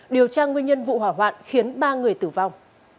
điều tra nguyên nhân vụ hỏa hoạn khiến ba người tử vong